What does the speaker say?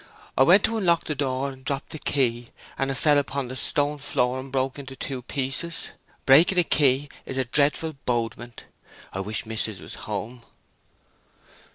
I went to unlock the door and dropped the key, and it fell upon the stone floor and broke into two pieces. Breaking a key is a dreadful bodement. I wish mis'ess was home."